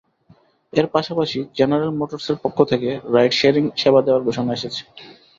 এর পাশাপাশি জেনারেল মোটরসের পক্ষ থেকে রাইড শেয়ারিং সেবা দেওয়ার ঘোষণা এসেছে।